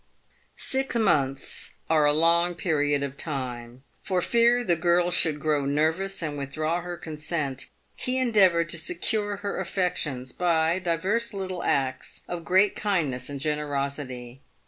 Six months are a long period of time. Eor fear the girl should grow nervous and withdraw her consent, he endeavoured to secure her af fections by divers little acts of great kindness and generosity.